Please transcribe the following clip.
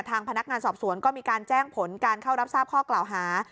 ทางพนักงานสอบสวนก็มีการแจ้งผลการเข้ารับทราบข้อกล่าวหา